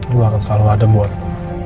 gue akan selalu ada buat lo